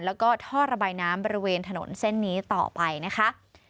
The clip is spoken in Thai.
แล้วก็ท่อระบายน้ำบริเวณถนนเส้นนี้ต่อไปนะคะ